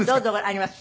あります。